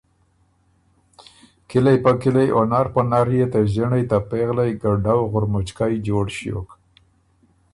کِلئ په کِلئ او نر په نر يې ته ݫِنړئ ته پېغلئ ګډؤ غُرمُچکئ جوړ ݭیوک۔